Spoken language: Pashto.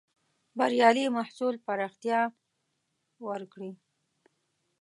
بریالي محصول پراختيا ورکړې.